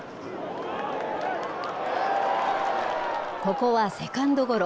ここはセカンドゴロ。